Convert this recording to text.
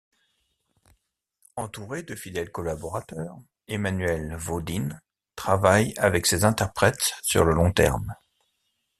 Entourée de fidèles collaborateurs, Emmanuelle Vo-Dinh travaille avec ses interprètes sur le long terme.